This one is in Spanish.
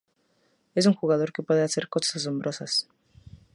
Es un jugador que puede hacer cosas asombrosas".